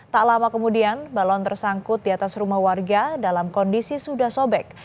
tak lama kemudian balon tersangkut di atas rumah warga dalam kondisi sudah sobek